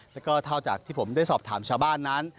แล้วก็เท่าจากที่ผมได้สอบถามชาวบ้านนั้น